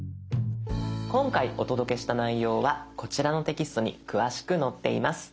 今回お届けした内容はこちらのテキストに詳しく載っています。